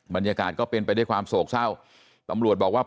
บรรยากาศก็เป็นไปด้วยความโศกเศร้าตำรวจบอกว่า